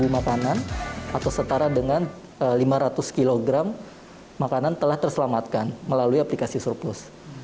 makanan atau setara dengan lima ratus kg makanan telah terselamatkan melalui aplikasi surplus